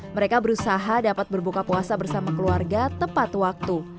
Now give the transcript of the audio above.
mereka berusaha dapat berbuka puasa bersama keluarga tepat waktu